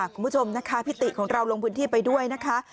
คุณผู้ชมนะคะพิติของเราลงพื้นที่ไปด้วยนะคะ